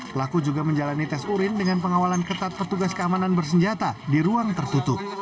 pelaku juga menjalani tes urin dengan pengawalan ketat petugas keamanan bersenjata di ruang tertutup